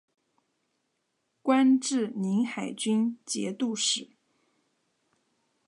官至临海军节度使。